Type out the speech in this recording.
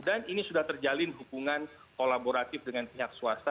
dan ini sudah terjalin hubungan kolaboratif dengan pihak swasta